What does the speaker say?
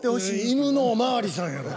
「犬のおまわりさん」やろ。